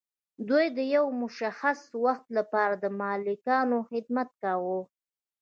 دوی د یو مشخص وخت لپاره د مالکانو خدمت کاوه.